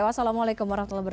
wassalamualaikum wr wb